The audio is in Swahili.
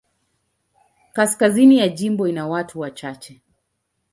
Kaskazini ya jimbo ina watu wachache.